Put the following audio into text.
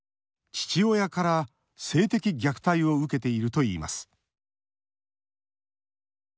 父親から性的虐待を受けているといいます。